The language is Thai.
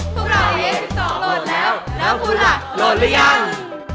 พวกเราเอเวส๑๒โหลดแล้วแล้วผู้หลักโหลดหรือยัง